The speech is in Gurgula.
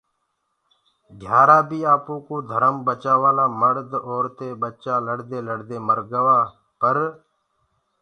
گھيآرآ بيٚ آپوڪو ڌرم بچآوآ لآ مڙد اورتينٚ ٻچآ لڙدي لڙدي مرگوآ پر